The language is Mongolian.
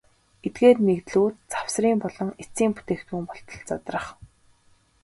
Эдгээр нэгдлүүд завсрын болон эцсийн бүтээгдэхүүн болтол задрах.